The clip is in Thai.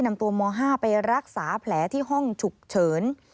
นำตัวม๕ไปรักษาแผลที่ห้องฉุกเฉิน